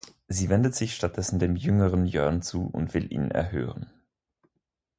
Sie wendet sich stattdessen dem jüngeren Jörn zu und will ihn erhören.